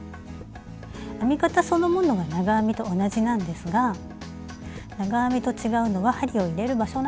編み方そのものは長編みと同じなんですが長編みと違うのは針を入れる場所なんです。